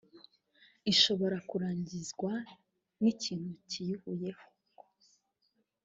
Ishobora kurangizwa n’ikintu kiyihuyeko